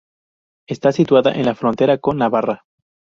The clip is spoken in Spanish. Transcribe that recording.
Está situada en la frontera con Navarra.